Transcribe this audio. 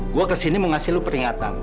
gue kesini mau ngasih lo peringatan